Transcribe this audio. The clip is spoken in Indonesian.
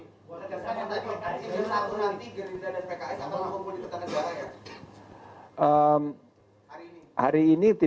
apakah kumpul di pertanian jawa